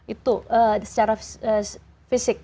itu secara fisik